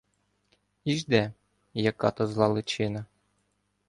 І жде, яка то зла личина